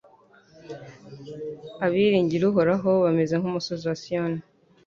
Abiringira Uhoraho bameze nk’umusozi wa Siyoni